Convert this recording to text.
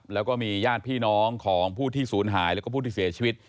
แล้วก็มีญาติพี่น้องของผู้ที่ศูนย์หายแล้วก็ผู้ที่เสียชีวิต